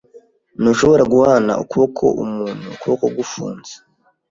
Ntushobora guhana ukuboko umuntu ukuboko gufunze.